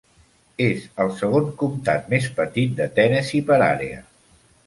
És el segon comtat més petit de Tennessee per àrea.